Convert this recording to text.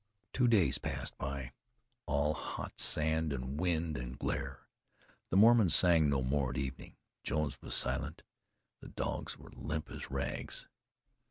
Two days passed by, all hot sand and wind and glare. The Mormons sang no more at evening; Jones was silent; the dogs were limp as rags.